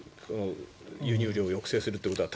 輸入量を抑制するということは。